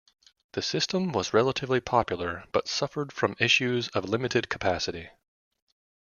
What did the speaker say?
The system was relatively popular, but suffered from issues of limited capacity.